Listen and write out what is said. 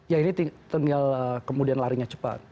ya ini tinggal kemudian larinya cepat